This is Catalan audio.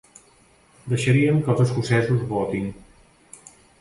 Deixaríem que els escocesos votin.